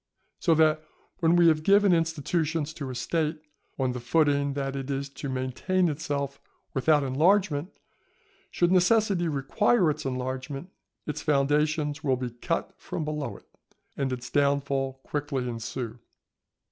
So that when we have given institutions to a State on the footing that it is to maintain itself without enlargement, should necessity require its enlargement, its foundations will be cut from below it, and its downfall quickly ensue.